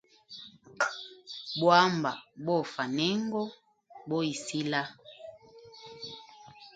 Bwamba bofa nengo boisila.